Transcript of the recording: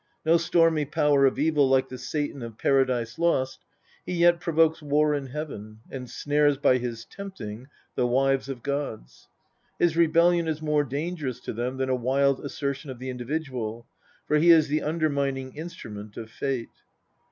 No stormy power of evil like the Satan of Paradise Lost, he yet provokes war in heaven, and snares by his tempting the wives of gods. His rebellion is more dangerous to them than a wild assertion of the individual, for he is the undermining instrument of fate.